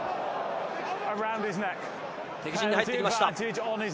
敵陣に入ってきました。